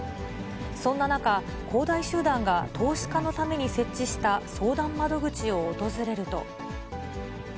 そんな中、恒大集団が投資家のために設置した相談窓口を訪れると。